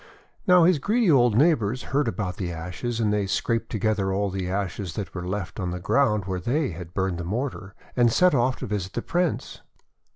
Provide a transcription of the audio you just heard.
Now, his greedy old neighbours heard about the ashes, and they scraped together all the ashes that were left on the ground where they had burned the mortar, and set off to visit the Prince.